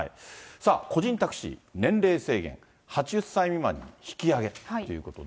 さあ、個人タクシー、年齢制限８０歳未満に引き上げということで。